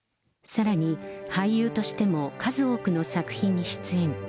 さらに俳優としても数多くの作品に出演。